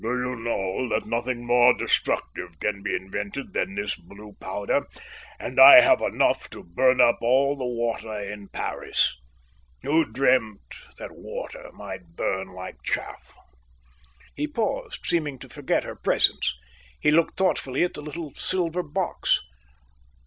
"Do you know that nothing more destructive can be invented than this blue powder, and I have enough to burn up all the water in Paris? Who dreamt that water might burn like chaff?" He paused, seeming to forget her presence. He looked thoughtfully at the little silver box.